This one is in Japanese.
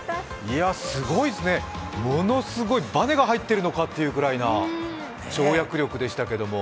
すごいですね、ものすごいバネが入ってるのかというくらいの跳躍力でしたが。